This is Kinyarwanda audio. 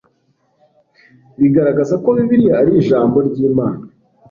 bigaragaza ko Bibiliya ari Ijambo ry Imana